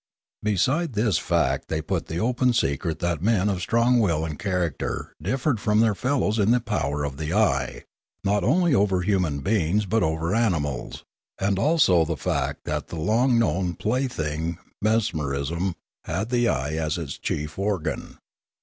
Beside this fact they put the open secret that men of strong will and character differed from their fellows in the power of the eye, not only over human beings but over animals, and also the fact that the long known plaything, mesmerism, had the eye as its chief organ.